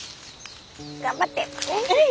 頑張って。